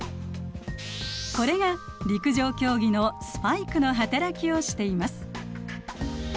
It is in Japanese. これが陸上競技のスパイクの働きをしています。